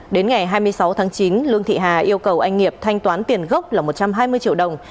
đến ngày hai mươi sáu tháng chín lương thị hà yêu cầu anh nghiệp thanh toán tiền gốc là một trăm hai mươi triệu đồng